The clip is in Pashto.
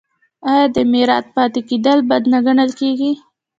آیا د میرات پاتې کیدل بد نه ګڼل کیږي؟